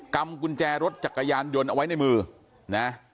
กุญแจรถจักรยานยนต์เอาไว้ในมือนะ